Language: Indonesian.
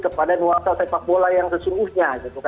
kepada nuansa sepak bola yang sesungguhnya